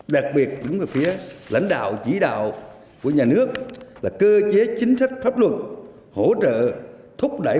đặc biệt đúng về phía lãnh đạo chỉ đạo của nhà nước là cơ chế chính sách pháp luật hỗ trợ thúc đẩy